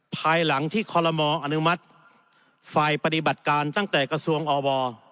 ภายหลังที่คอลโลมออนุมัติฝ่ายปฏิบัติการตั้งแต่กระทรวงอว